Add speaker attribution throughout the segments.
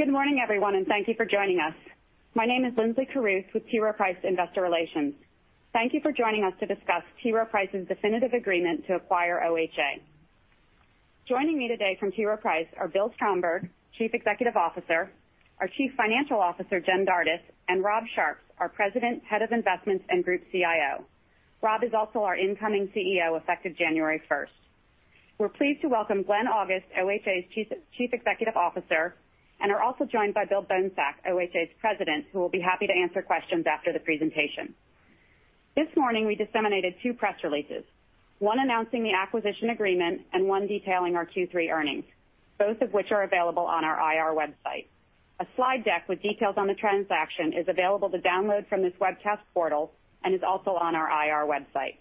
Speaker 1: Good morning, everyone, and thank you for joining us. My name is Linsley Carruth with T. Rowe Price Investor Relations. Thank you for joining us to discuss T. Rowe Price's definitive agreement to acquire OHA. Joining me today from T. Rowe Price are Bill Stromberg, Chief Executive Officer, our Chief Financial Officer, Jen Dardis, and Rob Sharps, our President, Head of Investments, and Group CIO. Rob is also our incoming CEO, effective January 1st. We're pleased to welcome Glenn August, OHA's Chief Executive Officer, and are also joined by Bill Bohnsack, OHA's President, who will be happy to answer questions after the presentation. This morning, we disseminated two press releases, one announcing the acquisition agreement and one detailing our Q3 earnings, both of which are available on our IR website. A slide deck with details on the transaction is available to download from this webcast portal and is also on our IR website.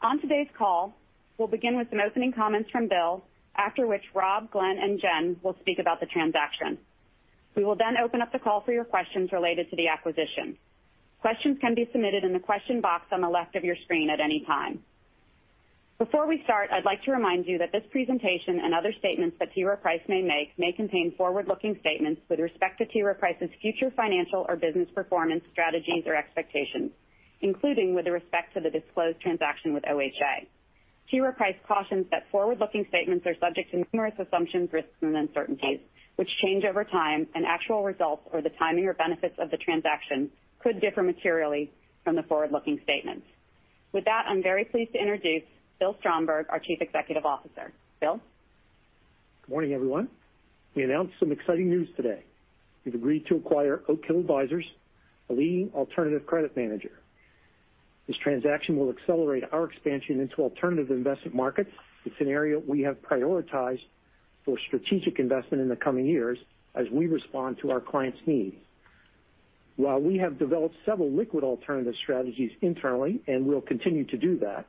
Speaker 1: On today's call, we'll begin with some opening comments from Bill, after which Rob, Glenn, and Jen will speak about the transaction. We will then open up the call for your questions related to the acquisition. Questions can be submitted in the question box on the left of your screen at any time. Before we start, I'd like to remind you that this presentation and other statements that T. Rowe Price may make may contain forward-looking statements with respect to T. Rowe Price's future financial or business performance, strategies, or expectations, including with respect to the disclosed transaction with OHA. T. Rowe Price cautions that forward-looking statements are subject to numerous assumptions, risks, and uncertainties, which change over time, and actual results or the timing or benefits of the transaction could differ materially from the forward-looking statements. With that, I'm very pleased to introduce Bill Stromberg, our Chief Executive Officer. Bill?
Speaker 2: Good morning, everyone. We announced some exciting news today. We've agreed to acquire Oak Hill Advisors, a leading alternative credit manager. This transaction will accelerate our expansion into alternative investment markets. It's an area we have prioritized for strategic investment in the coming years as we respond to our clients' needs. While we have developed several liquid alternative strategies internally, and we'll continue to do that,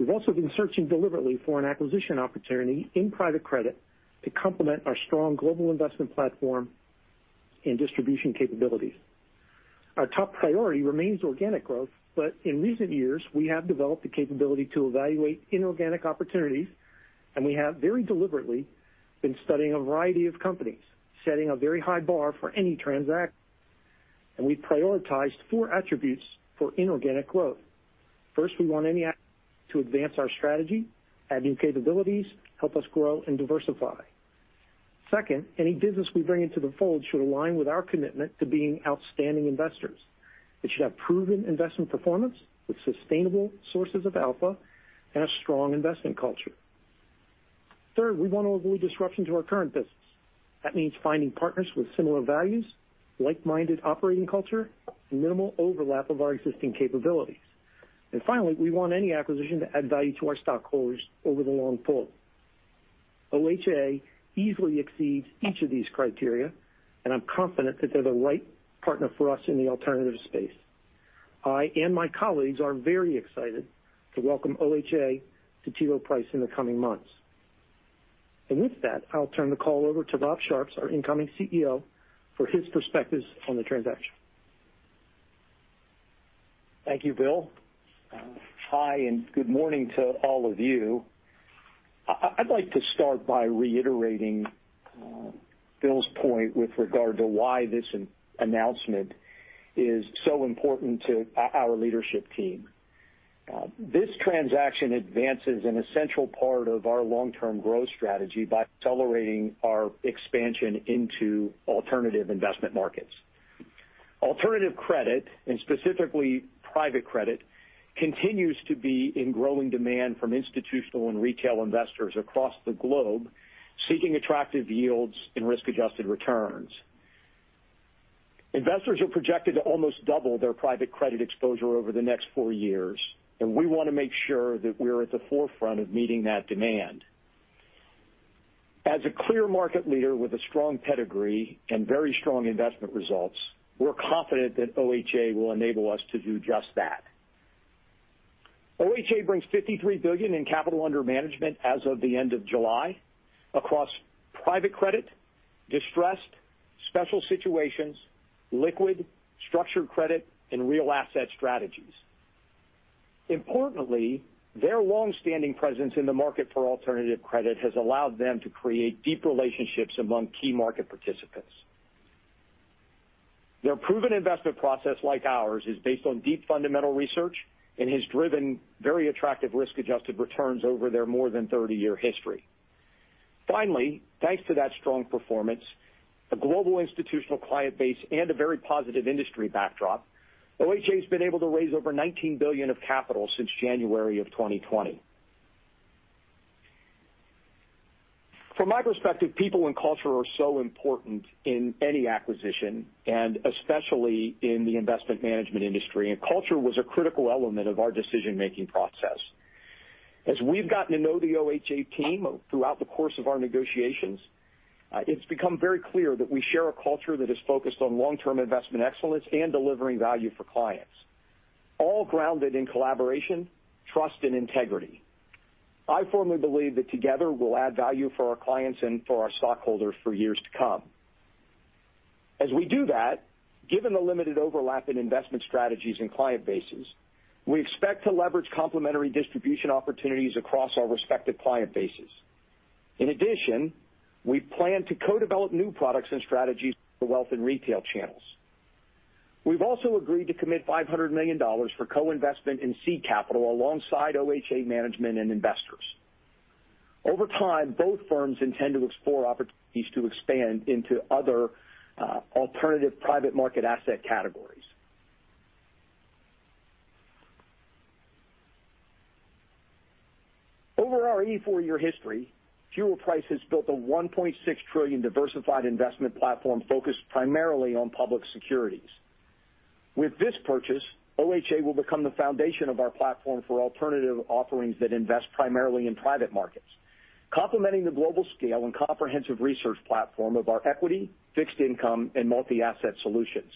Speaker 2: we've also been searching deliberately for an acquisition opportunity in private credit to complement our strong global investment platform and distribution capabilities. Our top priority remains organic growth, but in recent years, we have developed the capability to evaluate inorganic opportunities, and we have very deliberately been studying a variety of companies, setting a very high bar for any transaction, and we prioritized four attributes for inorganic growth. First, we want any to advance our strategy, add new capabilities, help us grow and diversify. Second, any business we bring into the fold should align with our commitment to being outstanding investors. It should have proven investment performance with sustainable sources of alpha and a strong investment culture. Third, we want to avoid disruption to our current business. That means finding partners with similar values, like-minded operating culture, and minimal overlap of our existing capabilities. Finally, we want any acquisition to add value to our stockholders over the long haul. OHA easily exceeds each of these criteria, and I'm confident that they're the right partner for us in the alternative space. I and my colleagues are very excited to welcome OHA to T. Rowe Price in the coming months. With that, I'll turn the call over to Rob Sharps, our incoming CEO, for his perspectives on the transaction.
Speaker 3: Thank you, Bill. Hi, and good morning to all of you. I'd like to start by reiterating Bill's point with regard to why this announcement is so important to our leadership team. This transaction advances an essential part of our long-term growth strategy by accelerating our expansion into alternative investment markets. Alternative credit, and specifically private credit, continues to be in growing demand from institutional and retail investors across the globe seeking attractive yields and risk-adjusted returns. Investors are projected to almost double their private credit exposure over the next four years, and we want to make sure that we're at the forefront of meeting that demand. As a clear market leader with a strong pedigree and very strong investment results, we're confident that OHA will enable us to do just that. OHA brings $53 billion in capital under management as of the end of July across private credit, distressed, special situations, liquid, structured credit, and real asset strategies. Importantly, their long-standing presence in the market for alternative credit has allowed them to create deep relationships among key market participants. Their proven investment process, like ours, is based on deep fundamental research and has driven very attractive risk-adjusted returns over their more than 30-year history. Finally, thanks to that strong performance, a global institutional client base, and a very positive industry backdrop, OHA has been able to raise over $19 billion of capital since January 2020. From my perspective, people and culture are so important in any acquisition, and especially in the investment management industry, and culture was a critical element of our decision-making process. As we've gotten to know the OHA team throughout the course of our negotiations, it's become very clear that we share a culture that is focused on long-term investment excellence and delivering value for clients, all grounded in collaboration, trust, and integrity. I firmly believe that together we'll add value for our clients and for our stockholders for years to come. As we do that, given the limited overlap in investment strategies and client bases, we expect to leverage complementary distribution opportunities across our respective client bases. In addition, we plan to co-develop new products and strategies for wealth and retail channels. We've also agreed to commit $500 million for co-investment in seed capital alongside OHA management and investors. Over time, both firms intend to explore opportunities to expand into other alternative private market asset categories. Over our 84-year history, T. Rowe Price has built a $1.6 trillion diversified investment platform focused primarily on public securities. With this purchase, OHA will become the foundation of our platform for alternative offerings that invest primarily in private markets, complementing the global scale and comprehensive research platform of our equity, fixed income, and multi-asset solutions.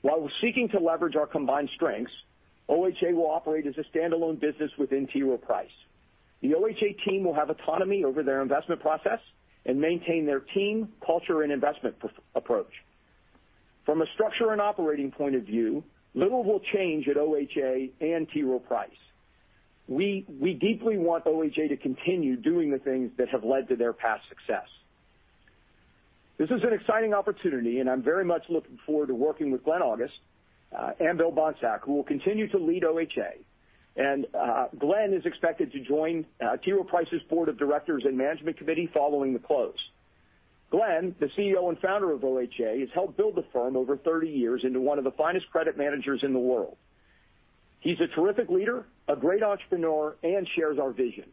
Speaker 3: While seeking to leverage our combined strengths, OHA will operate as a standalone business within T. Rowe Price. The OHA team will have autonomy over their investment process and maintain their team, culture, and investment process approach. From a structure and operating point of view, little will change at OHA and T. Rowe Price. We deeply want OHA to continue doing the things that have led to their past success. This is an exciting opportunity, and I'm very much looking forward to working with Glenn August and Bill Bohnsack, who will continue to lead OHA. Glenn is expected to join T. Rowe Price's board of directors and management committee following the close. Glenn, the CEO and founder of OHA, has helped build the firm over 30 years into one of the finest credit managers in the world. He's a terrific leader, a great entrepreneur, and shares our vision.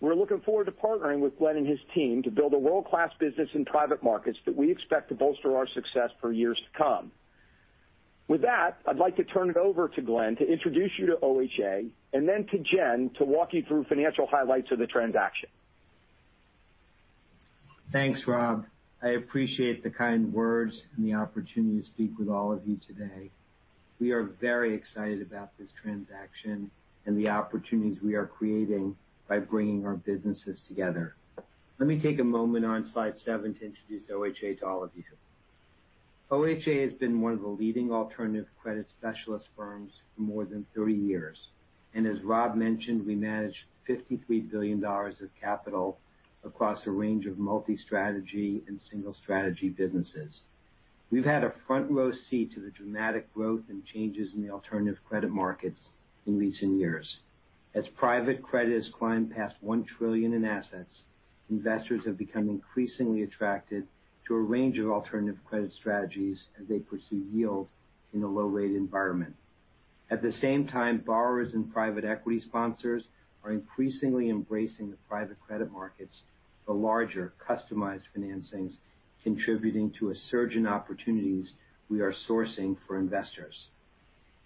Speaker 3: We're looking forward to partnering with Glenn and his team to build a world-class business in private markets that we expect to bolster our success for years to come. With that, I'd like to turn it over to Glenn to introduce you to OHA and then to Jen to walk you through financial highlights of the transaction.
Speaker 4: Thanks, Rob. I appreciate the kind words and the opportunity to speak with all of you today. We are very excited about this transaction and the opportunities we are creating by bringing our businesses together. Let me take a moment on slide seven to introduce OHA to all of you. OHA has been one of the leading alternative credit specialist firms for more than three years. As Rob mentioned, we manage $53 billion of capital across a range of multi-strategy and single strategy businesses. We've had a front row seat to the dramatic growth and changes in the alternative credit markets in recent years. As private credit has climbed past $1 trillion in assets, investors have become increasingly attracted to a range of alternative credit strategies as they pursue yield in a low rate environment. At the same time, borrowers and private equity sponsors are increasingly embracing the private credit markets for larger customized financings, contributing to a surge in opportunities we are sourcing for investors.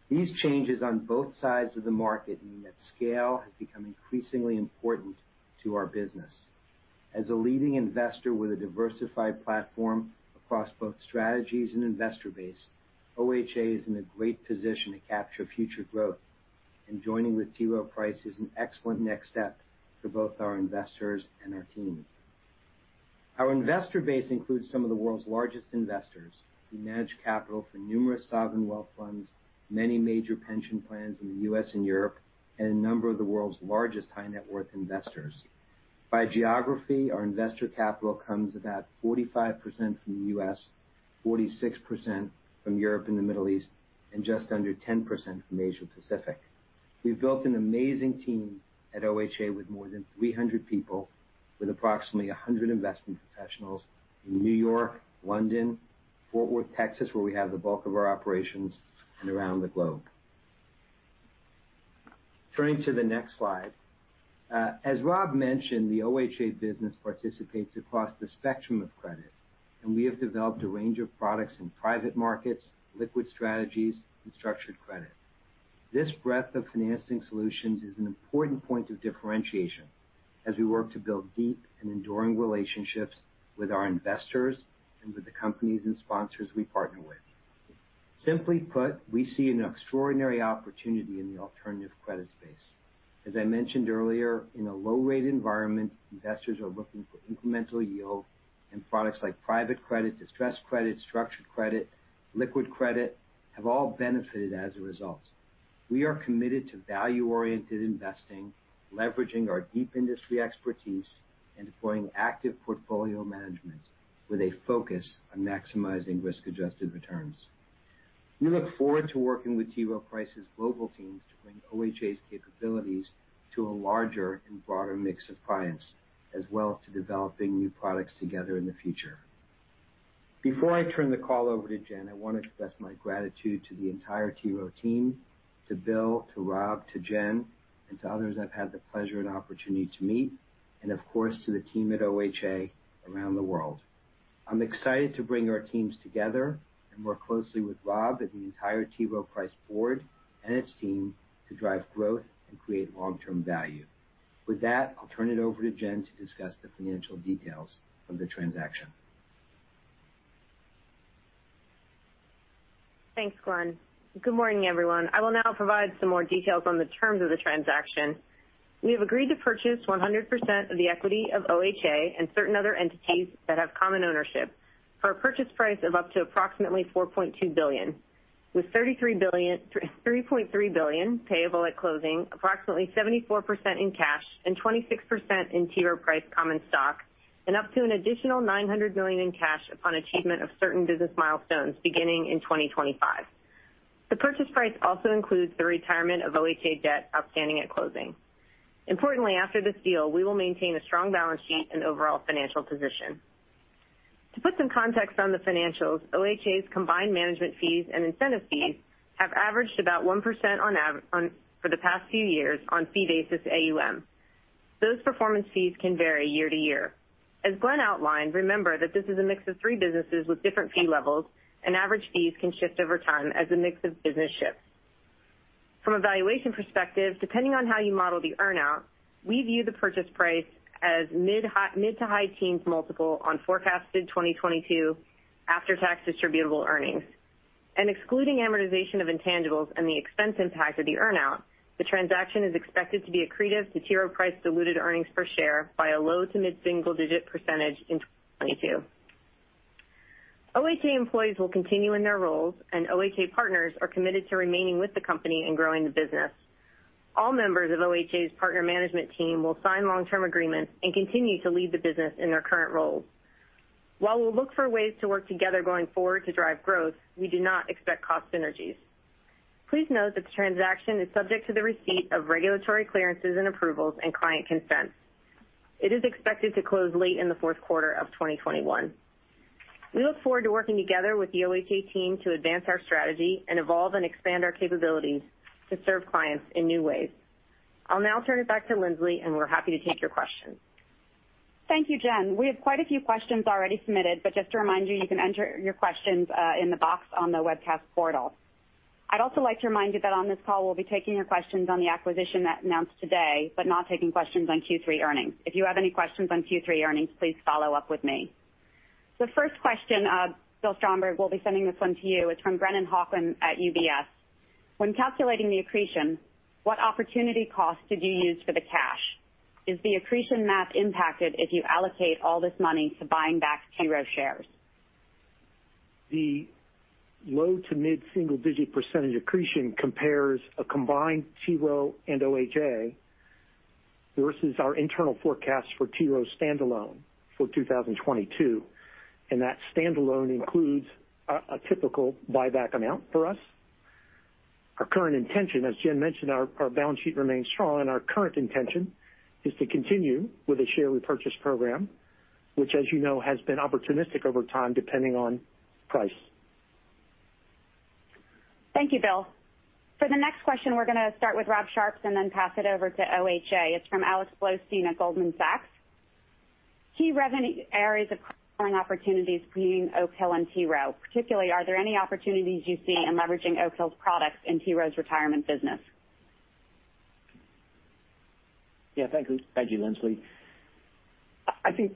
Speaker 4: These changes on both sides of the market mean that scale has become increasingly important to our business. As a leading investor with a diversified platform across both strategies and investor base, OHA is in a great position to capture future growth, and joining with T. Rowe Price is an excellent next step for both our investors and our team. Our investor base includes some of the world's largest investors. We manage capital for numerous sovereign wealth funds, many major pension plans in the U.S. and Europe, and a number of the world's largest high net worth investors. By geography, our investor capital comes about 45% from the U.S., 46% from Europe and the Middle East, and just under 10% from Asia Pacific. We've built an amazing team at OHA with more than 300 people with approximately 100 investment professionals in New York, London, Fort Worth, Texas, where we have the bulk of our operations, and around the globe. Turning to the next slide. As Rob mentioned, the OHA business participates across the spectrum of credit, and we have developed a range of products in private markets, liquid strategies, and structured credit. This breadth of financing solutions is an important point of differentiation as we work to build deep and enduring relationships with our investors and with the companies and sponsors we partner with. Simply put, we see an extraordinary opportunity in the alternative credit space. As I mentioned earlier, in a low rate environment, investors are looking for incremental yield and products like private credit, distressed credit, structured credit, liquid credit have all benefited as a result. We are committed to value-oriented investing, leveraging our deep industry expertise, and deploying active portfolio management with a focus on maximizing risk-adjusted returns. We look forward to working with T. Rowe Price's global teams to bring OHA's capabilities to a larger and broader mix of clients, as well as to developing new products together in the future. Before I turn the call over to Jen, I want to express my gratitude to the entire T. Rowe team, to Bill, to Rob, to Jen, and to others I've had the pleasure and opportunity to meet, and of course, to the team at OHA around the world. I'm excited to bring our teams together and work closely with Rob and the entire T. Rowe Price board and its team to drive growth and create long-term value. With that, I'll turn it over to Jen to discuss the financial details of the transaction.
Speaker 5: Thanks, Glenn. Good morning, everyone. I will now provide some more details on the terms of the transaction. We have agreed to purchase 100% of the equity of OHA and certain other entities that have common ownership for a purchase price of up to approximately $4.2 billion, with $3.3 billion payable at closing, approximately 74% in cash and 26% in T. Rowe Price common stock, and up to an additional $900 million in cash upon achievement of certain business milestones beginning in 2025. The purchase price also includes the retirement of OHA debt outstanding at closing. Importantly, after this deal, we will maintain a strong balance sheet and overall financial position. To put some context on the financials, OHA's combined management fees and incentive fees have averaged about 1% for the past few years on fee basis AUM. Those performance fees can vary year to year. As Glenn outlined, remember that this is a mix of three businesses with different fee levels, and average fees can shift over time as the mix of business shifts. From a valuation perspective, depending on how you model the earn-out, we view the purchase price as mid- to high-teens multiple on forecasted 2022 after-tax distributable earnings. Excluding amortization of intangibles and the expense impact of the earn-out, the transaction is expected to be accretive to T. Rowe Price diluted earnings per share by a low- to mid-single-digit percentage in 2022. OHA employees will continue in their roles, and OHA partners are committed to remaining with the company and growing the business. All members of OHA's partner management team will sign long-term agreements and continue to lead the business in their current roles. While we'll look for ways to work together going forward to drive growth, we do not expect cost synergies. Please note that the transaction is subject to the receipt of regulatory clearances and approvals and client consents. It is expected to close late in the Q4 of 2021. We look forward to working together with the OHA team to advance our strategy and evolve and expand our capabilities to serve clients in new ways. I'll now turn it back to Linsley, and we're happy to take your questions.
Speaker 1: Thank you, Jen. We have quite a few questions already submitted, but just to remind you can enter your questions in the box on the webcast portal. I'd also like to remind you that on this call, we'll be taking your questions on the acquisition that announced today, but not taking questions on Q3 earnings. If you have any questions on Q3 earnings, please follow up with me. The first question, Bill Stromberg, we'll be sending this one to you. It's from Brennan Hawken at UBS. When calculating the accretion, what opportunity cost did you use for the cash? Is the accretion math impacted if you allocate all this money to buying back T. Rowe Price shares?
Speaker 2: The low to mid single-digit percentage accretion compares a combined T. Rowe and OHA versus our internal forecast for T. Rowe standalone for 2022, and that standalone includes a typical buyback amount for us. Our current intention, as Jen mentioned, our balance sheet remains strong, and our current intention is to continue with a share repurchase program, which, as you know, has been opportunistic over time, depending on price.
Speaker 1: Thank you, Bill. For the next question, we're gonna start with Rob Sharps and then pass it over to OHA. It's from Alex Blostein at Goldman Sachs. Key revenue areas of cross-selling opportunities between Oak Hill and T. Rowe. Particularly, are there any opportunities you see in leveraging Oak Hill's products in T. Rowe's retirement business?
Speaker 3: Yeah. Thank you. Thank you, Linsley. I think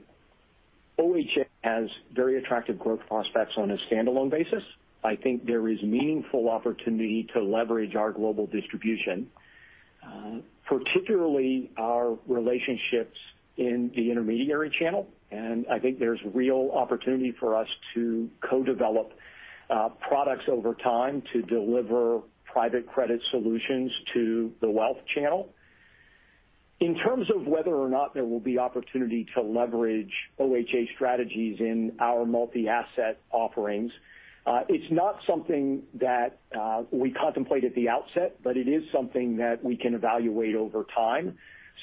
Speaker 3: OHA has very attractive growth prospects on a standalone basis. I think there is meaningful opportunity to leverage our global distribution, particularly our relationships in the intermediary channel, and I think there's real opportunity for us to co-develop, products over time to deliver private credit solutions to the wealth channel. In terms of whether or not there will be opportunity to leverage OHA strategies in our multi-asset offerings, it's not something that, we contemplate at the outset, but it is something that we can evaluate over time.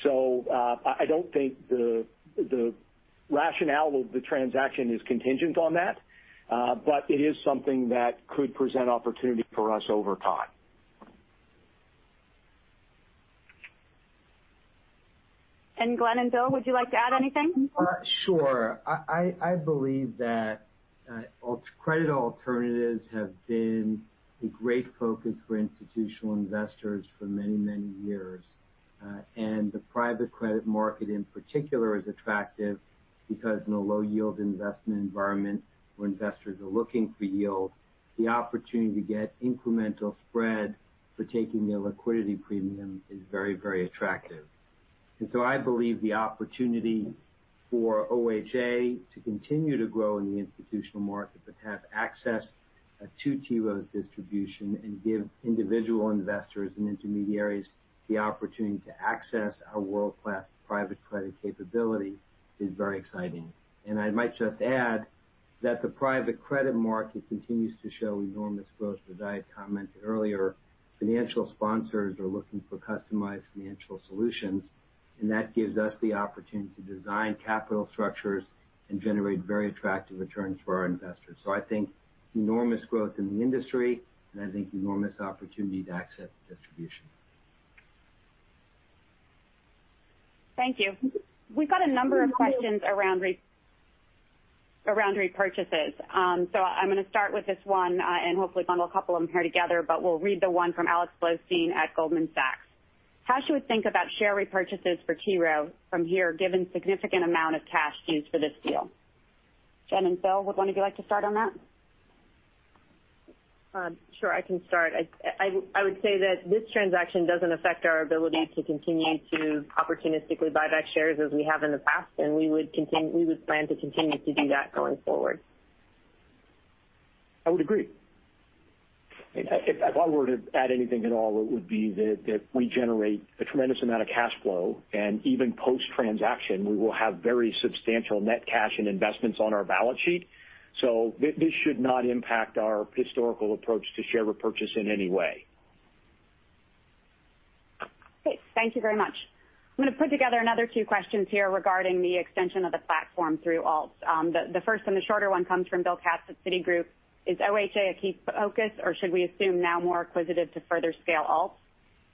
Speaker 3: I don't think the rationale of the transaction is contingent on that, but it is something that could present opportunity for us over time.
Speaker 1: Glenn and Bill, would you like to add anything?
Speaker 6: I believe that alternatives have been a great focus for institutional investors for many, many years. The private credit market in particular is attractive because in a low yield investment environment where investors are looking for yield, the opportunity to get incremental spread for taking a liquidity premium is very, very attractive. I believe the opportunity for OHA to continue to grow in the institutional market but have access to T. Rowe's distribution and give individual investors and intermediaries the opportunity to access our world-class private credit capability is very exciting. I might just add that the private credit market continues to show enormous growth. As I had commented earlier, financial sponsors are looking for customized financial solutions, and that gives us the opportunity to design capital structures and generate very attractive returns for our investors. I think enormous growth in the industry, and I think enormous opportunity to access the distribution.
Speaker 1: Thank you. We've got a number of questions around repurchases. I'm gonna start with this one, and hopefully bundle a couple of them here together, but we'll read the one from Alex Blostein at Goldman Sachs. How should we think about share repurchases for T. Rowe from here, given significant amount of cash used for this deal? Jen and Bill, would one of you like to start on that?
Speaker 5: Sure, I can start. I would say that this transaction doesn't affect our ability to continue to opportunistically buy back shares as we have in the past, and we would plan to continue to do that going forward.
Speaker 2: I would agree. If I were to add anything at all, it would be that we generate a tremendous amount of cash flow, and even post-transaction, we will have very substantial net cash and investments on our balance sheet. This should not impact our historical approach to share repurchase in any way.
Speaker 1: Great. Thank you very much. I'm gonna put together another two questions here regarding the extension of the platform through Alts. The first and the shorter one comes from Bill Katz at Citigroup. Is OHA a key focus, or should we assume now more acquisitive to further scale Alts?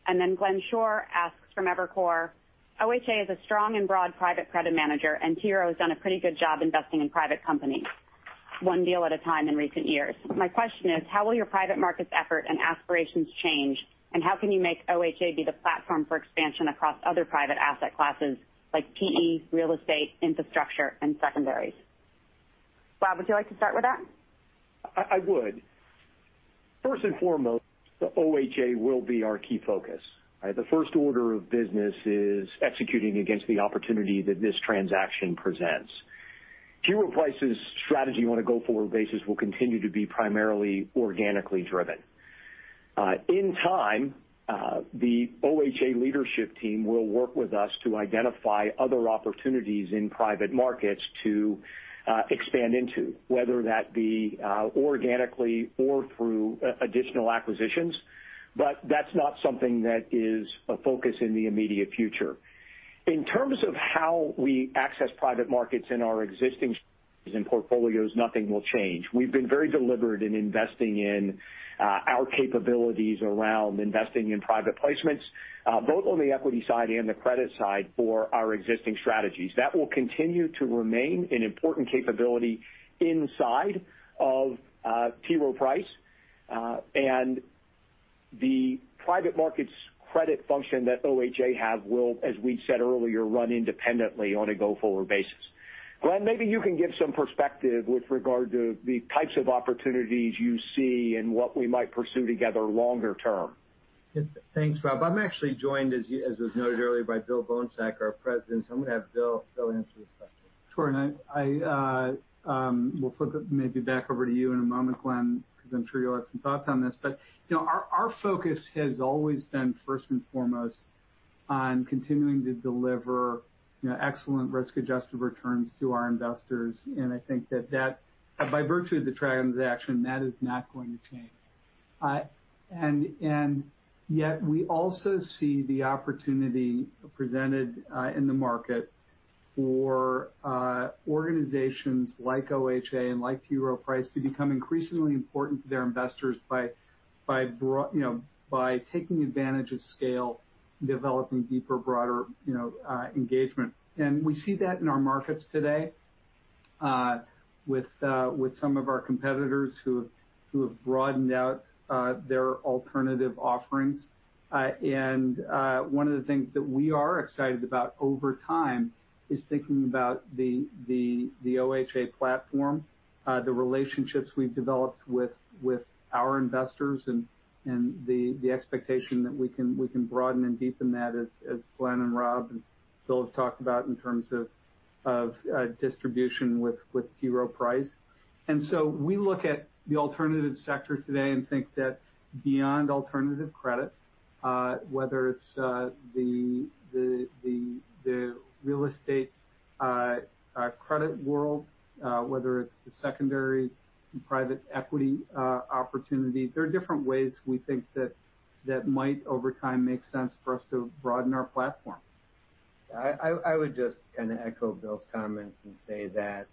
Speaker 1: Then Glenn Schorr asks from Evercore ISI, OHA is a strong and broad private credit manager, and T. Rowe has done a pretty good job investing in private companies one deal at a time in recent years. My question is, how will your private markets effort and aspirations change, and how can you make OHA be the platform for expansion across other private asset classes like PE, real estate, infrastructure, and secondaries? Rob, would you like to start with that?
Speaker 3: I would. First and foremost, the OHA will be our key focus, right? The first order of business is executing against the opportunity that this transaction presents. T. Rowe Price's strategy on a go-forward basis will continue to be primarily organically driven. In time, the OHA leadership team will work with us to identify other opportunities in private markets to expand into, whether that be organically or through additional acquisitions but that's not something that is a focus in the immediate future. In terms of how we access private markets in our existing strategies and portfolios, nothing will change. We've been very deliberate in investing in our capabilities around investing in private placements, both on the equity side and the credit side for our existing strategies. That will continue to remain an important capability inside of T. Rowe Price. The private markets credit function that OHA have will, as we said earlier, run independently on a go-forward basis. Glenn, maybe you can give some perspective with regard to the types of opportunities you see and what we might pursue together longer term.
Speaker 4: Yeah. Thanks, Rob. I'm actually joined, as was noted earlier, by Bill Bohnsack, our president, so I'm gonna have Bill answer this question.
Speaker 6: Sure. I will flip it maybe back over to you in a moment, Glenn, because I'm sure you'll have some thoughts on this. You know, our focus has always been first and foremost on continuing to deliver, you know, excellent risk-adjusted returns to our investors. I think that, by virtue of the transaction, that is not going to change. Yet we also see the opportunity presented in the market for organizations like OHA and like T. Rowe Price to become increasingly important to their investors by you know, by taking advantage of scale, developing deeper, broader, you know, engagement. We see that in our markets today, with some of our competitors who have broadened out their alternative offerings. One of the things that we are excited about over time is thinking about the OHA platform, the relationships we've developed with our investors and the expectation that we can broaden and deepen that as Glenn and Rob and Bill have talked about in terms of distribution with T. Rowe Price. We look at the alternative sector today and think that beyond alternative credit, whether it's the real estate credit world, whether it's the secondary private equity opportunity, there are different ways we think that might over time make sense for us to broaden our platform.
Speaker 4: I would just kinda echo Bill's comments and say that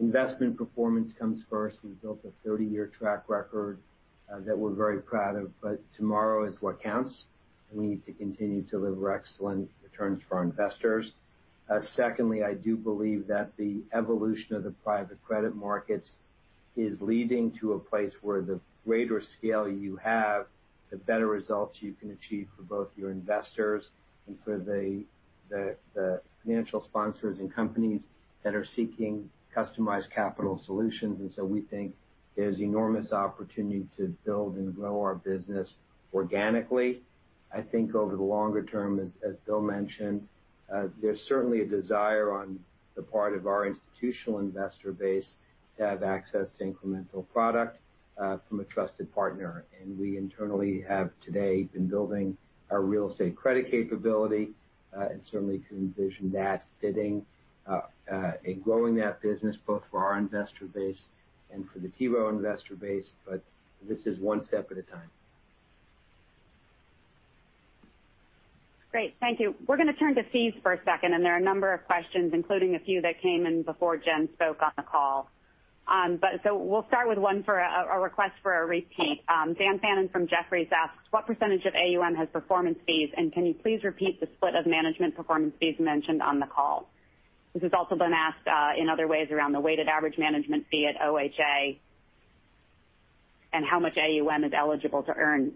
Speaker 4: investment performance comes first. We've built a 30-year track record that we're very proud of, but tomorrow is what counts. We need to continue to deliver excellent returns for our investors. Secondly, I do believe that the evolution of the private credit markets is leading to a place where the greater scale you have, the better results you can achieve for both your investors and for the financial sponsors and companies that are seeking customized capital solutions. We think there's enormous opportunity to build and grow our business organically. I think over the longer term, as Bill mentioned, there's certainly a desire on the part of our institutional investor base to have access to incremental product from a trusted partner. We internally have today been building our real estate credit capability, and certainly can envision that fitting, and growing that business both for our investor base and for the T. Rowe investor base, but this is one step at a time.
Speaker 1: Great. Thank you. We're gonna turn to fees for a second, and there are a number of questions, including a few that came in before Jen spoke on the call. We'll start with a request for a repeat. Dan Fannon from Jefferies asks, what percentage of AUM has performance fees, and can you please repeat the split of management performance fees mentioned on the call? This has also been asked in other ways around the weighted average management fee at OHA and how much AUM is eligible to earn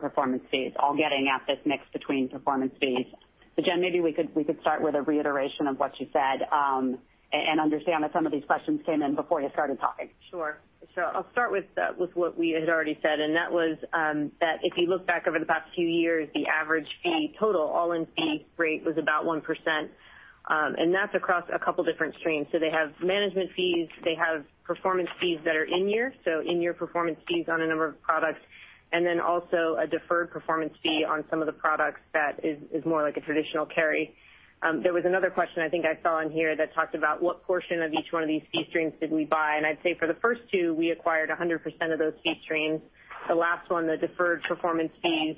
Speaker 1: performance fees, all getting at this mix between performance fees? Jen, maybe we could start with a reiteration of what you said, and understand that some of these questions came in before you started talking.
Speaker 5: Sure. I'll start with what we had already said, and that was that if you look back over the past few years, the average fee total, all-in fee rate was about 1%, and that's across a couple different streams. They have management fees, they have performance fees that are in-year, so in-year performance fees on a number of products, and then also a deferred performance fee on some of the products that is more like a traditional carry. There was another question I think I saw in here that talked about what portion of each one of these fee streams did we buy, and I'd say for the first two, we acquired 100% of those fee streams. The last one, the deferred performance fees,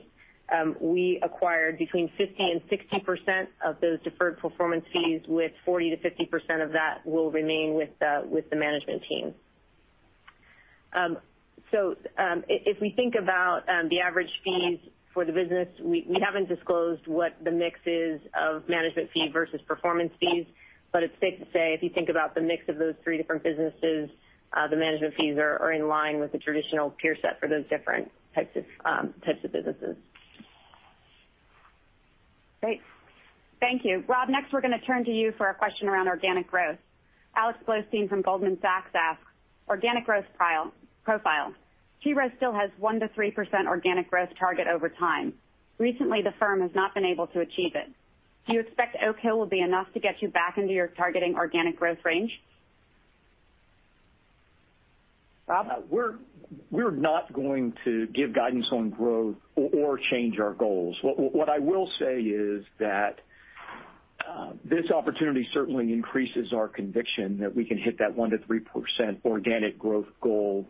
Speaker 5: we acquired between 50% and 60% of those deferred performance fees, with 40%-50% of that will remain with the management team. If we think about the average fees for the business, we haven't disclosed what the mix is of management fee versus performance fees. It's safe to say if you think about the mix of those three different businesses, the management fees are in line with the traditional peer set for those different types of businesses.
Speaker 1: Great. Thank you. Rob, next we're gonna turn to you for a question around organic growth. Alex Blostein from Goldman Sachs asks, "Organic growth profile. T. Rowe still has 1%-3% organic growth target over time. Recently, the firm has not been able to achieve it. Do you expect Oak Hill will be enough to get you back into your targeting organic growth range? Rob?
Speaker 3: We're not going to give guidance on growth or change our goals. What I will say is that this opportunity certainly increases our conviction that we can hit that 1%-3% organic growth goal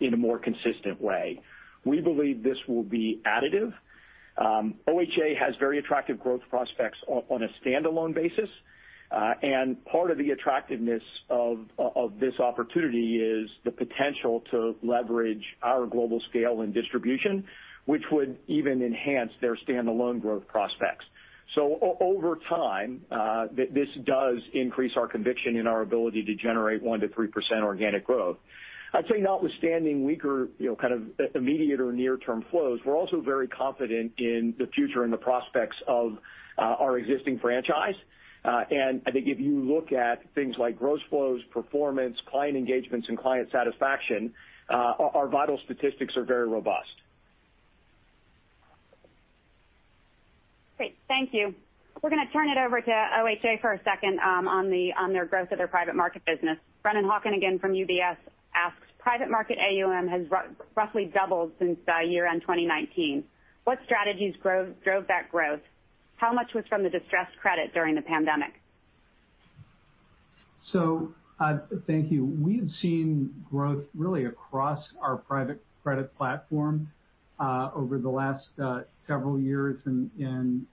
Speaker 3: in a more consistent way. We believe this will be additive. OHA has very attractive growth prospects on a standalone basis. Part of the attractiveness of this opportunity is the potential to leverage our global scale and distribution, which would even enhance their standalone growth prospects. Over time this does increase our conviction in our ability to generate 1%-3% organic growth. I'd say notwithstanding weaker you know kind of immediate or near-term flows, we're also very confident in the future and the prospects of our existing franchise. I think if you look at things like gross flows, performance, client engagements, and client satisfaction, our vital statistics are very robust.
Speaker 1: Great. Thank you. We're gonna turn it over to OHA for a second, on their growth of their private market business. Brennan Hawken again from UBS asks, "Private market AUM has roughly doubled since year-end 2019. What strategies drove that growth? How much was from the distressed credit during the pandemic?
Speaker 6: Thank you. We've seen growth really across our private credit platform over the last several years and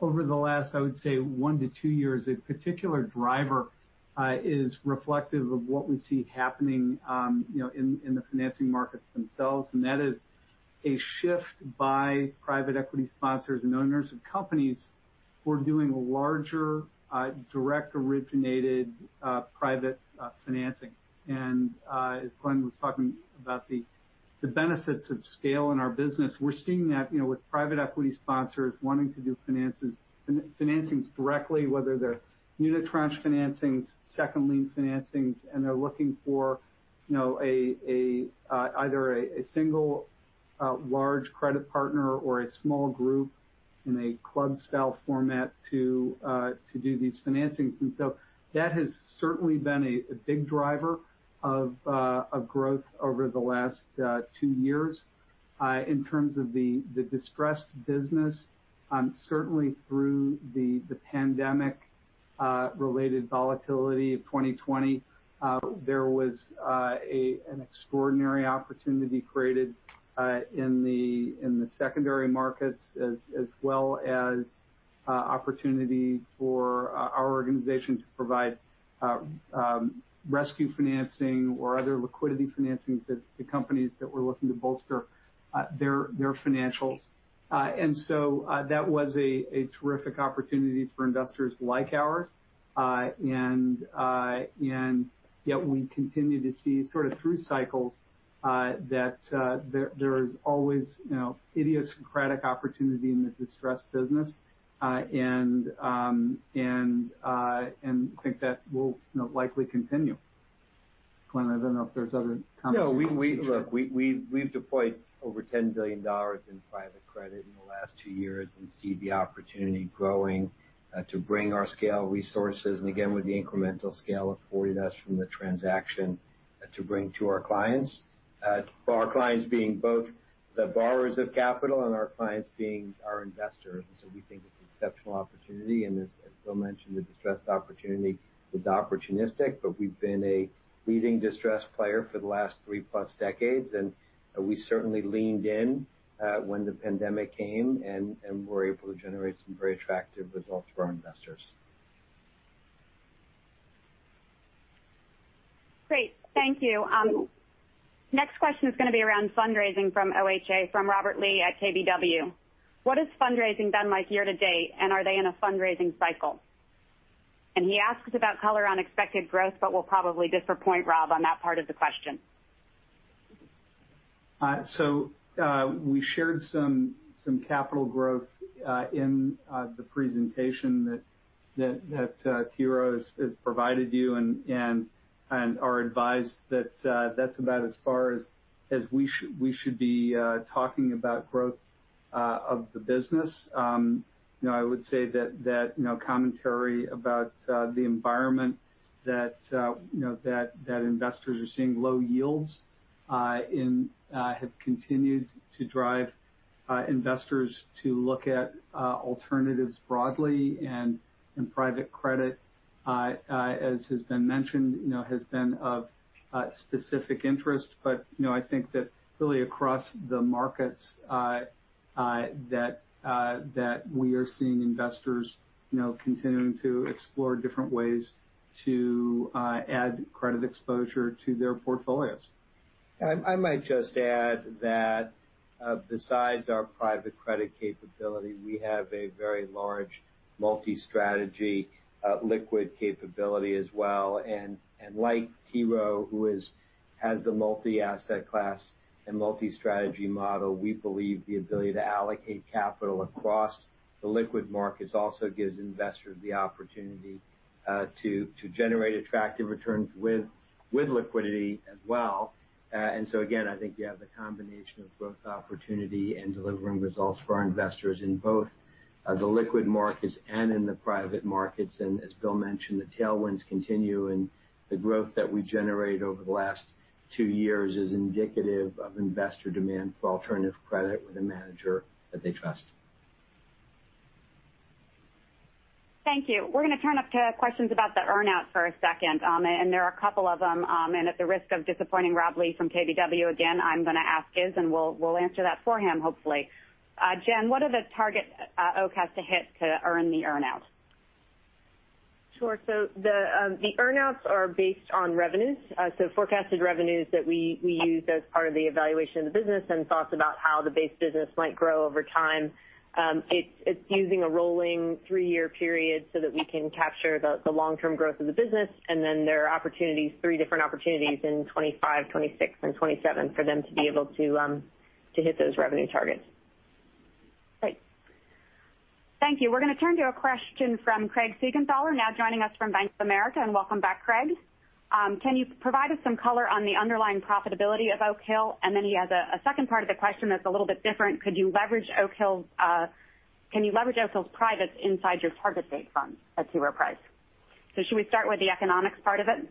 Speaker 6: over the last, I would say, one to two years. A particular driver is reflective of what we see happening, you know, in the financing markets themselves. That is a shift by private equity sponsors and owners of companies who are doing larger directly originated private financing. As Glenn was talking about the benefits of scale in our business, we're seeing that, you know, with private equity sponsors wanting to do financings directly, whether they're unitranche financings, second lien financings, and they're looking for, you know, a single large credit partner or a small group in a club-style format to do these financings. That has certainly been a big driver of growth over the last two years. In terms of the distressed business, certainly through the pandemic-related volatility of 2020, there was an extraordinary opportunity created in the secondary markets as well as opportunity for our organization to provide rescue financing or other liquidity financing to companies that were looking to bolster their financials. That was a terrific opportunity for investors like ours. Yet we continue to see sort of through cycles that there is always, you know, idiosyncratic opportunity in the distressed business. I think that will, you know, likely continue. Glenn, I don't know if there's other comments you can make here.
Speaker 4: No, look, we've deployed over $10 billion in private credit in the last two years and see the opportunity growing to bring our scale resources, and again, with the incremental scale afforded us from the transaction, to bring to our clients. Our clients being both the borrowers of capital and our clients being our investors. We think it's an exceptional opportunity, and as Bill mentioned, the distressed opportunity is opportunistic, but we've been a leading distressed player for the last three-plus decades. We certainly leaned in when the pandemic came and were able to generate some very attractive results for our investors.
Speaker 1: Great. Thank you. Next question is gonna be around fundraising from OHA from Robert Lee at KBW. "What has fundraising been like year to date, and are they in a fundraising cycle?" He asks about color on expected growth, but we'll probably disappoint Rob on that part of the question.
Speaker 6: We shared some capital growth in the presentation that T. Rowe has provided you and we're advised that that's about as far as we should be talking about growth of the business. You know, I would say that you know, commentary about the environment that you know that investors are seeing low yields have continued to drive investors to look at alternatives broadly and private credit as has been mentioned, you know, has been of specific interest. You know, I think that really across the markets that we are seeing investors you know continuing to explore different ways to add credit exposure to their portfolios.
Speaker 4: I might just add that, besides our private credit capability, we have a very large multi-strategy liquid capability as well. Like T. Rowe has the multi-asset class and multi-strategy model, we believe the ability to allocate capital across the liquid markets also gives investors the opportunity to generate attractive returns with liquidity as well. Again, I think you have the combination of growth opportunity and delivering results for our investors in both the liquid markets and in the private markets. As Bill mentioned, the tailwinds continue, and the growth that we generated over the last two years is indicative of investor demand for alternative credit with a manager that they trust.
Speaker 1: Thank you. We're gonna turn to questions about the earn-out for a second. There are a couple of them. At the risk of disappointing Rob Lee from KBW again, I'm gonna ask his, and we'll answer that for him, hopefully. Jen, what are the targets Oak has to hit to earn the earn-out?
Speaker 5: Sure. The earn-outs are based on forecasted revenues that we used as part of the evaluation of the business and thoughts about how the base business might grow over time. It's using a rolling three-year period so that we can capture the long-term growth of the business. Then there are three different opportunities in 2025, 2026 and 2027 for them to be able to hit those revenue targets.
Speaker 1: Great. Thank you. We're gonna turn to a question from Craig Siegenthaler, now joining us from Bank of America, and welcome back, Craig. Can you provide us some color on the underlying profitability of Oak Hill? Then he has a second part of the question that's a little bit different. Could you leverage Oak Hill's privates inside your target date fund at T. Rowe Price? Should we start with the economics part of it?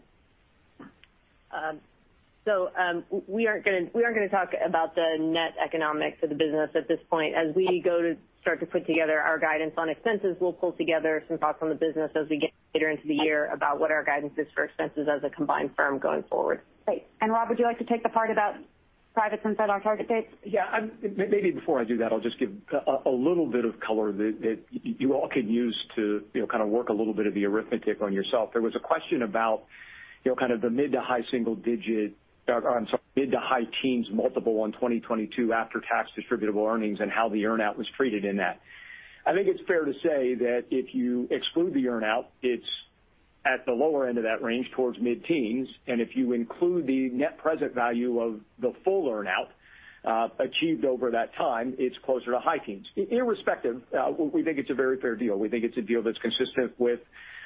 Speaker 5: We aren't gonna talk about the net economics of the business at this point. As we go to start to put together our guidance on expenses, we'll pull together some thoughts on the business as we get later into the year about what our guidance is for expenses as a combined firm going forward.
Speaker 1: Great. Rob, would you like to take the part about privates inside our target dates?
Speaker 3: Yeah. Maybe before I do that, I'll just give a little bit of color that you all can use to, you know, kind of work a little bit of the arithmetic on yourself. There was a question about, you know, kind of the mid- to high-single-digit, or I'm sorry, mid- to high-teens multiple on 2022 after-tax distributable earnings and how the earn-out was treated in that. I think it's fair to say that if you exclude the earn-out, it's at the lower end of that range towards mid-teens. If you include the net present value of the full earn-out achieved over that time, it's closer to high-teens. Irrespective, we think it's a very fair deal. We think it's a deal that's consistent with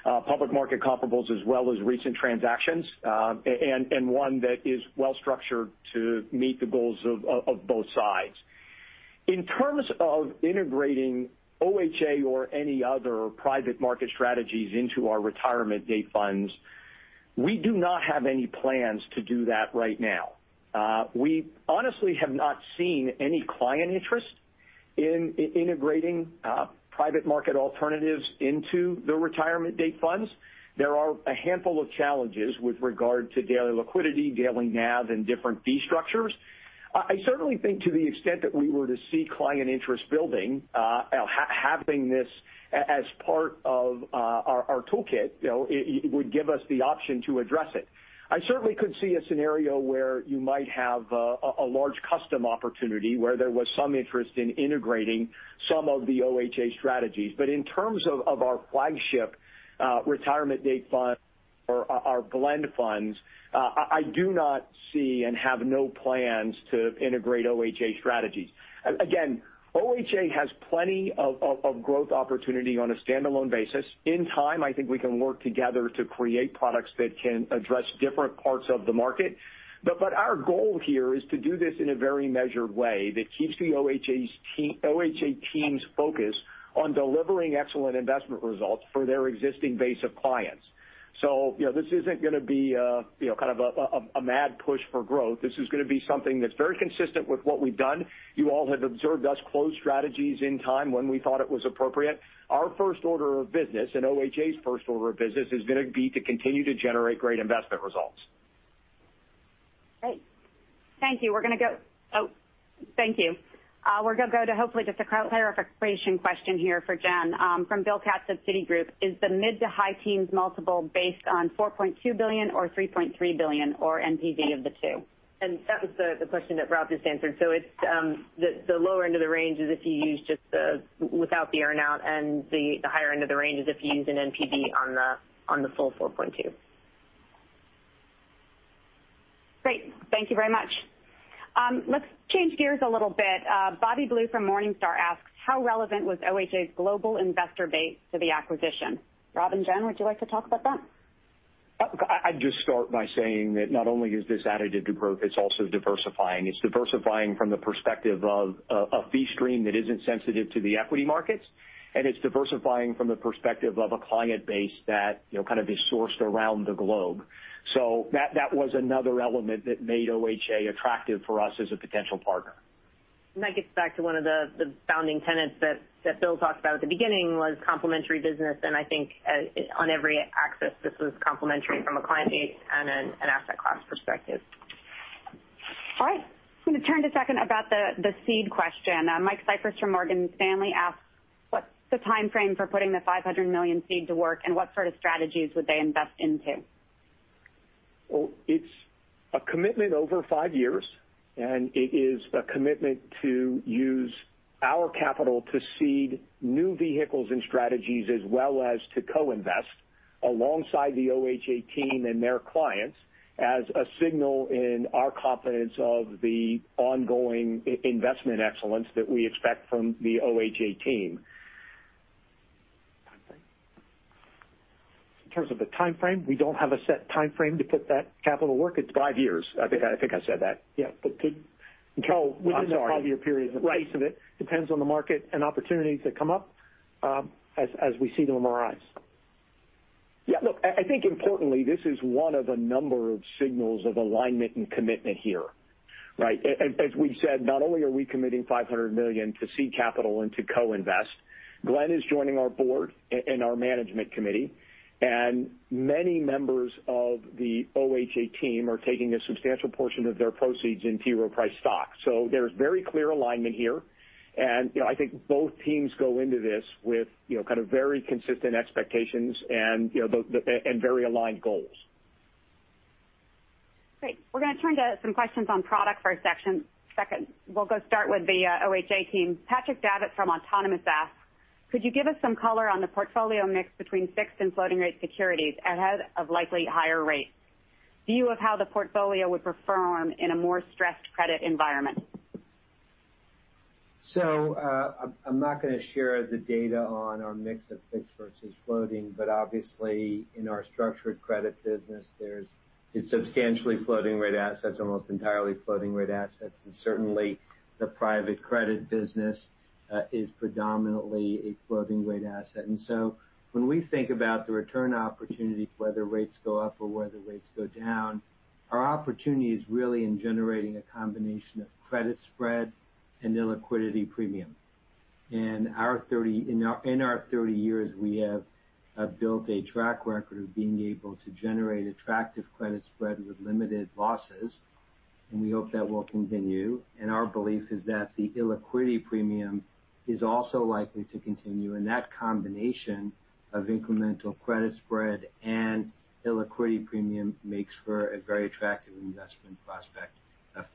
Speaker 3: public market comparables as well as recent transactions, and one that is well structured to meet the goals of both sides. In terms of integrating OHA or any other private market strategies into our target date funds, we do not have any plans to do that right now. We honestly have not seen any client interest in integrating private market alternatives into the target date funds. There are a handful of challenges with regard to daily liquidity, daily NAV, and different fee structures. I certainly think to the extent that we were to see client interest building, having this as part of our toolkit, you know, it would give us the option to address it. I certainly could see a scenario where you might have a large custom opportunity where there was some interest in integrating some of the OHA strategies. In terms of our flagship target date fund or our blend funds, I do not see and have no plans to integrate OHA strategies. Again, OHA has plenty of growth opportunity on a standalone basis. In time, I think we can work together to create products that can address different parts of the market. Our goal here is to do this in a very measured way that keeps the OHA team's focus on delivering excellent investment results for their existing base of clients. You know, this isn't gonna be, you know, kind of a mad push for growth. This is gonna be something that's very consistent with what we've done. You all have observed us close strategies in time when we thought it was appropriate. Our first order of business and OHA's first order of business is gonna be to continue to generate great investment results.
Speaker 1: Great. Thank you. We're gonna go. Oh, thank you. We're gonna go to hopefully just a clarification question here for Jen from Bill Katz of Citigroup. Is the mid- to high-teens multiple based on $4.2 billion or $3.3 billion or NPV of the two?
Speaker 5: That was the question that Rob just answered. It's the lower end of the range if you use without the earn-out, and the higher end of the range is if you use an NPV on the full $4.2 billion.
Speaker 1: Thank you very much. Let's change gears a little bit. Bobby Blue from Morningstar asks, "How relevant was OHA's global investor base to the acquisition?" Rob and Jen, would you like to talk about that?
Speaker 3: I'd just start by saying that not only is this additive to growth, it's also diversifying. It's diversifying from the perspective of a fee stream that isn't sensitive to the equity markets, and it's diversifying from the perspective of a client base that, you know, kind of is sourced around the globe. That was another element that made OHA attractive for us as a potential partner.
Speaker 5: That gets back to one of the founding tenets that Bill talked about at the beginning, was complementary business. I think on every axis, this was complementary from a client base and an asset class perspective.
Speaker 1: All right. I'm gonna turn to the seed question. Michael Cyprys from Morgan Stanley asks, "What's the timeframe for putting the $500 million seed to work, and what sort of strategies would they invest into?
Speaker 3: Well, it's a commitment over five years, and it is a commitment to use our capital to seed new vehicles and strategies as well as to co-invest alongside the OHA team and their clients as a signal in our confidence of the ongoing investment excellence that we expect from the OHA team. Timeframe. In terms of the timeframe, we don't have a set timeframe to put that capital to work. It's five years. I think I said that.
Speaker 4: Yeah, but could.
Speaker 3: No, I'm sorry.
Speaker 4: Within the five-year period.
Speaker 3: Right.
Speaker 4: The pace of it depends on the market and opportunities that come up, as we see them arise.
Speaker 3: Yeah, look, I think importantly, this is one of a number of signals of alignment and commitment here, right? As we've said, not only are we committing $500 million to seed capital and to co-invest, Glenn is joining our board and our management committee, and many members of the OHA team are taking a substantial portion of their proceeds in T. Rowe Price stock. There's very clear alignment here, and, you know, I think both teams go into this with, you know, kind of very consistent expectations and, you know, and very aligned goals.
Speaker 1: Great. We're gonna turn to some questions on product for a second. We'll start with the OHA team. Patrick Davitt from Autonomous asks, "Could you give us some color on the portfolio mix between fixed and floating rate securities ahead of likely higher rates? View of how the portfolio would perform in a more stressed credit environment?
Speaker 4: I'm not gonna share the data on our mix of fixed versus floating, but obviously in our structured credit business there's substantially floating rate assets, almost entirely floating rate assets. Certainly the private credit business is predominantly a floating rate asset. When we think about the return opportunity for whether rates go up or whether rates go down, our opportunity is really in generating a combination of credit spread and illiquidity premium. In our 30 years, we have built a track record of being able to generate attractive credit spread with limited losses, and we hope that will continue. Our belief is that the illiquidity premium is also likely to continue. That combination of incremental credit spread and illiquidity premium makes for a very attractive investment prospect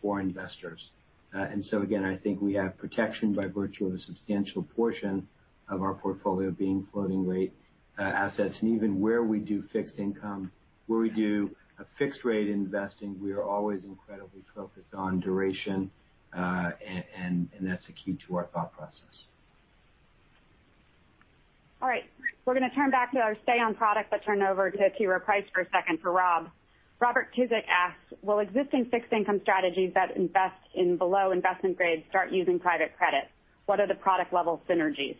Speaker 4: for investors. Again, I think we have protection by virtue of a substantial portion of our portfolio being floating rate assets. Even where we do fixed income, where we do a fixed rate investing, we are always incredibly focused on duration. That's the key to our thought process.
Speaker 1: All right. We're gonna turn back to our stay on product, but turn over to T. Rowe Price for a second for Rob. Robert Tuzik asks, "Will existing fixed income strategies that invest in below investment grade start using private credit? What are the product level synergies?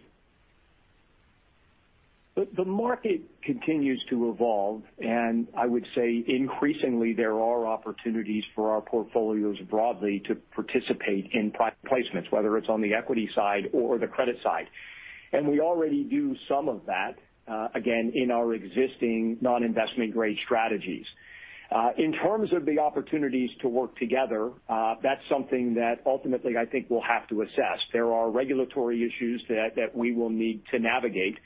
Speaker 3: The market continues to evolve, and I would say increasingly there are opportunities for our portfolios broadly to participate in private placements, whether it's on the equity side or the credit side. We already do some of that, again, in our existing non-investment grade strategies. In terms of the opportunities to work together, that's something that ultimately I think we'll have to assess. There are regulatory issues that we will need to navigate,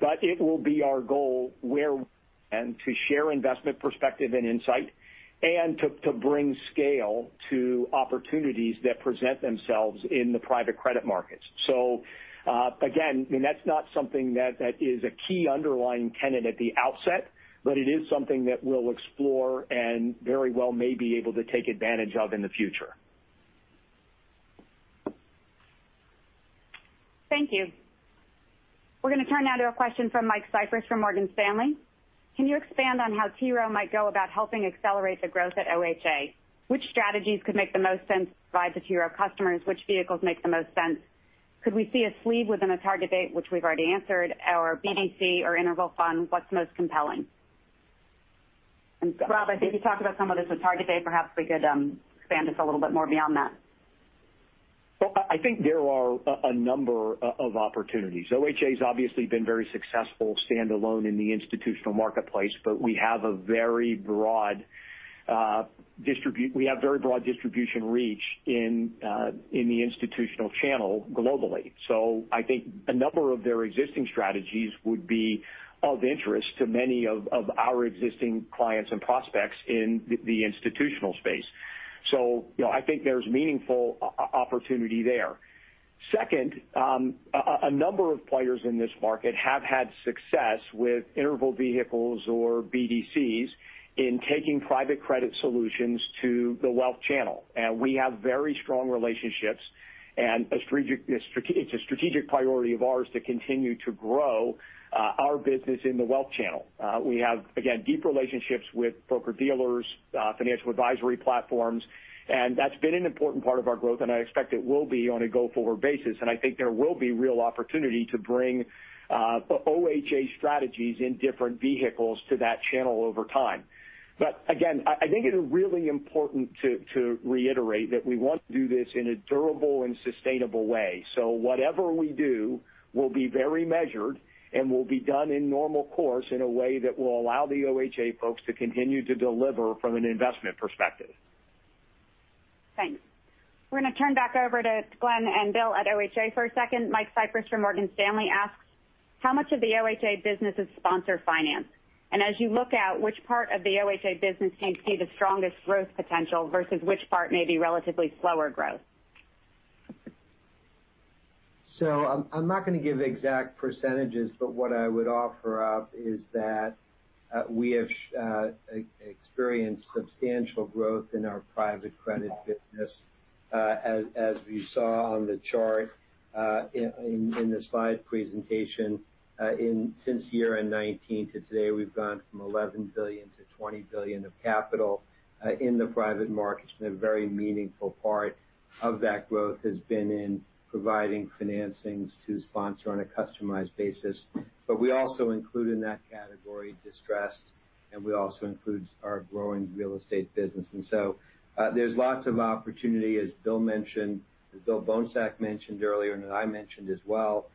Speaker 3: but it will be our goal to share investment perspective and insight and to bring scale to opportunities that present themselves in the private credit markets. Again, I mean, that's not something that is a key underlying tenet at the outset, but it is something that we'll explore and very well may be able to take advantage of in the future.
Speaker 1: Thank you. We're gonna turn now to a question from Michael Cyprys from Morgan Stanley. "Can you expand on how T. Rowe might go about helping accelerate the growth at OHA? Which strategies could make the most sense provided to your customers? Which vehicles make the most sense? Could we see a sleeve within a target date?" Which we've already answered, "Or BDC or interval fund? What's most compelling?" Rob, I think you talked about some of this with target date. Perhaps we could expand this a little bit more beyond that.
Speaker 3: Well, I think there are a number of opportunities. OHA's obviously been very successful standalone in the institutional marketplace, but we have a very broad distribution reach in the institutional channel globally. So I think a number of their existing strategies would be of interest to many of our existing clients and prospects in the institutional space. You know, I think there's meaningful opportunity there. Second, a number of players in this market have had success with interval vehicles or BDCs in taking private credit solutions to the wealth channel. We have very strong relationships and a strategic, it's a strategic priority of ours to continue to grow our business in the wealth channel. We have, again, deep relationships with broker-dealers, financial advisory platforms, and that's been an important part of our growth, and I expect it will be on a go-forward basis. I think there will be real opportunity to bring OHA strategies in different vehicles to that channel over time. Again, I think it is really important to reiterate that we want to do this in a durable and sustainable way so whatever we do will be very measured and will be done in normal course in a way that will allow the OHA folks to continue to deliver from an investment perspective.
Speaker 1: Thanks. We're gonna turn back over to Glenn and Bill at OHA for a second. Michael Cyprys from Morgan Stanley asks, "How much of the OHA business is sponsor finance? And as you look out which part of the OHA business can see the strongest growth potential versus which part may be relatively slower growth?
Speaker 4: I'm not gonna give exact percentages, but what I would offer up is that we have experienced substantial growth in our private credit business, as you saw on the chart in the slide presentation. Since year-end 2019 to today, we've gone from $11 billion to $20 billion of capital in the private markets, and a very meaningful part of that growth has been in providing financings to sponsor on a customized basis. We also include in that category distressed, and we also include our growing real estate business. There's lots of opportunity, as Bill mentioned, as Bill Bohnsack mentioned earlier, and I mentioned as well.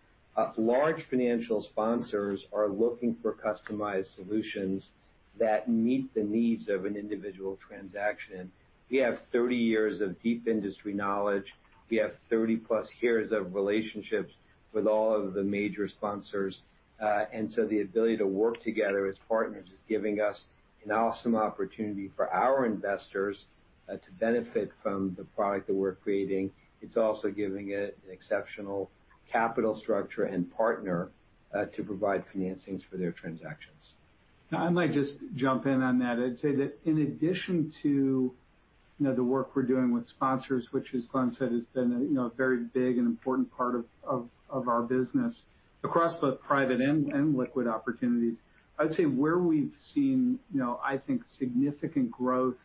Speaker 4: Large financial sponsors are looking for customized solutions that meet the needs of an individual transaction. We have 30 years of deep industry knowledge. We have 30+ years of relationships with all of the major sponsors. The ability to work together as partners is giving us an awesome opportunity for our investors to benefit from the product that we're creating. It's also giving it an exceptional capital structure and partner to provide financings for their transactions.
Speaker 6: Now, I might just jump in on that. I'd say that in addition to the work we're doing with sponsors, which, as Glenn said, has been a very big and important part of our business across both private and liquid opportunities. I'd say where we've seen, you know, I think significant growth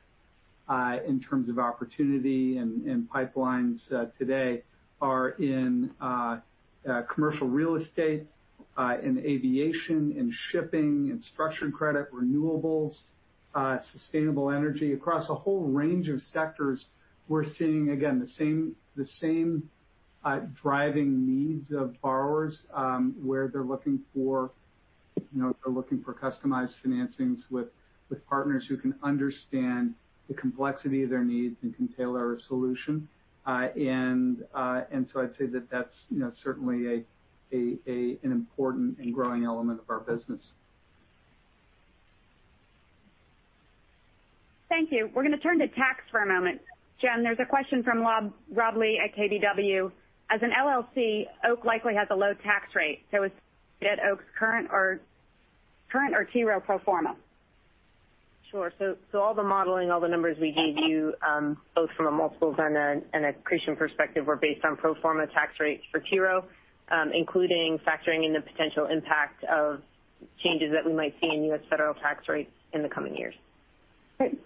Speaker 6: in terms of opportunity and pipelines today are in commercial real estate, in aviation, in shipping, in structured credit, renewables, sustainable energy. Across a whole range of sectors, we're seeing again the same driving needs of borrowers, where they're looking for customized financings with partners who can understand the complexity of their needs and can tailor a solution. I'd say that that's, you know, certainly an important and growing element of our business.
Speaker 1: Thank you. We're gonna turn to tax for a moment. Jen, there's a question from Rob Lee at KBW. As an LLC, Oak likely has a low tax rate, so is it at Oak's current or T. Rowe pro forma?
Speaker 5: Sure. All the modeling, all the numbers we gave you, both from a multiples and accretion perspective were based on pro forma tax rates for T. Rowe, including factoring in the potential impact of changes that we might see in U.S. federal tax rates in the coming years.
Speaker 1: Great.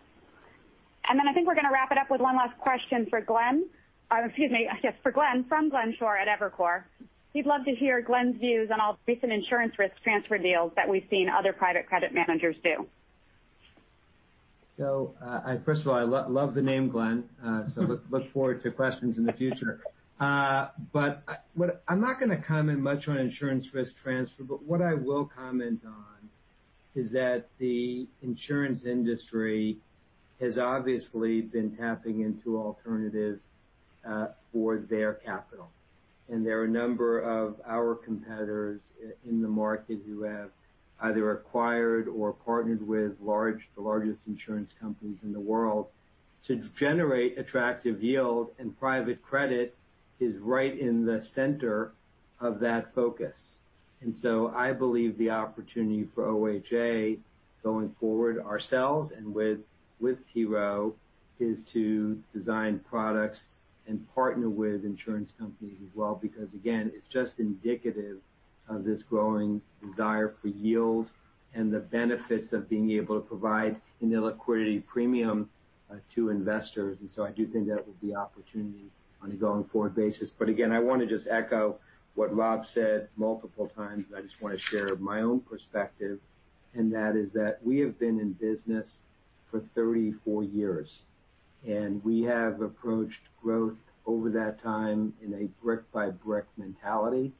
Speaker 1: I think we're gonna wrap it up with one last question for Glenn. Excuse me. Yes, for Glenn from Glenn Schorr at Evercore ISI. He'd love to hear Glenn's views on all recent insurance risk transfer deals that we've seen other private credit managers do.
Speaker 4: I first of all, I love the name Glenn, so look forward to questions in the future. I'm not gonna comment much on insurance risk transfer, but what I will comment on is that the insurance industry has obviously been tapping into alternatives for their capital. There are a number of our competitors in the market who have either acquired or partnered with the largest insurance companies in the world to generate attractive yield, and private credit is right in the center of that focus. I believe the opportunity for OHA going forward ourselves and with T. Rowe is to design products and partner with insurance companies as well, because again, it's just indicative of this growing desire for yield and the benefits of being able to provide an illiquidity premium to investors. I do think that will be opportunity on a going forward basis. Again, I wanna just echo what Rob said multiple times, and I just wanna share my own perspective, and that is that we have been in business for 34 years, and we have approached growth over that time in a brick by brick mentality,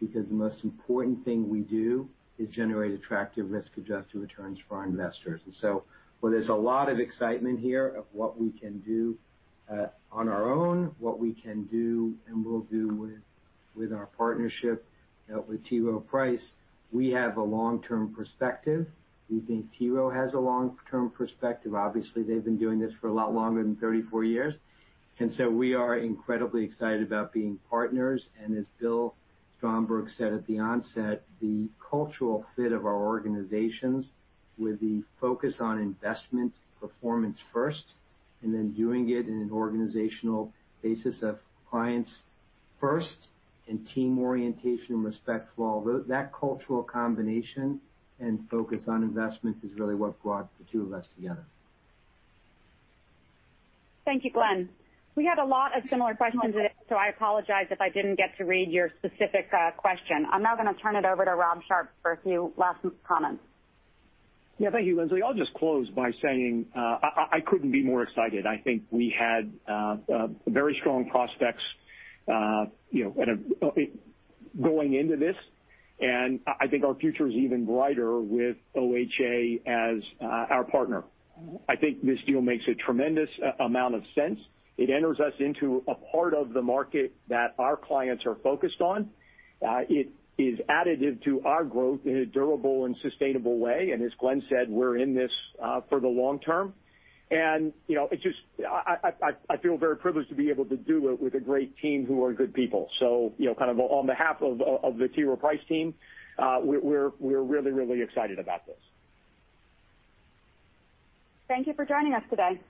Speaker 4: because the most important thing we do is generate attractive risk-adjusted returns for our investors. While there's a lot of excitement here of what we can do on our own, what we can do and will do with our partnership with T. Rowe Price, we have a long-term perspective. We think T. Rowe Price has a long-term perspective. Obviously, they've been doing this for a lot longer than 34 years. We are incredibly excited about being partners. As Bill Stromberg said at the onset, the cultural fit of our organizations with the focus on investment performance first, and then doing it in an organizational basis of clients first and team orientation and respect for all. That cultural combination and focus on investments is really what brought the two of us together.
Speaker 1: Thank you, Glenn. We had a lot of similar questions in it, so I apologize if I didn't get to read your specific question. I'm now gonna turn it over to Rob Sharps for a few last comments.
Speaker 3: Yeah. Thank you, Linsley. I'll just close by saying, I couldn't be more excited. I think we had very strong prospects, you know, going into this, and I think our future is even brighter with OHA as our partner. I think this deal makes a tremendous amount of sense. It enters us into a part of the market that our clients are focused on. It is additive to our growth in a durable and sustainable way. As Glenn said, we're in this for the long term. You know, I feel very privileged to be able to do it with a great team who are good people. You know, kind of on behalf of the T. Rowe Price team, we're really excited about this.
Speaker 1: Thank you for joining us today.